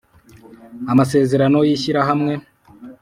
amasezerano y’shyirahamwe.